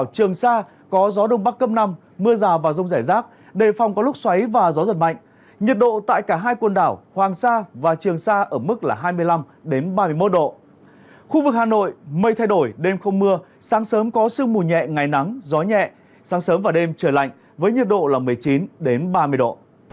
khu vực hà nội mây thay đổi đêm không mưa sáng sớm có sương mù nhẹ ngày nắng gió nhẹ sáng sớm và đêm trời lạnh với nhiệt độ là một mươi chín ba mươi độ